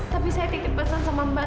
tapi saya titip pesan sama mbak